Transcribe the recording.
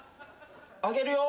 開けるよ。